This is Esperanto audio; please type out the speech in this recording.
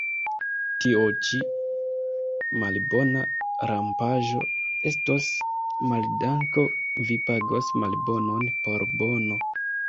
Tio ĉi, malbona rampaĵo, estos maldanko: vi pagos malbonon por bono.